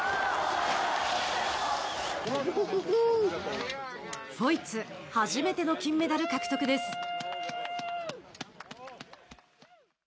フォイツ初めての金メダル獲得です。